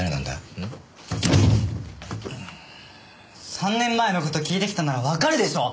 ３年前の事聞いてきたならわかるでしょ！